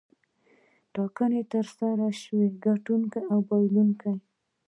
ټاکنې ترسره شوې ګټونکی او بایلونکی.